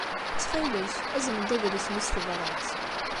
Ttxil-k, azen-d adlis-nni s tebṛat.